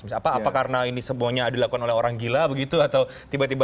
apa apa karena ini semuanya dilakukan oleh orang gila begitu atau tiba tiba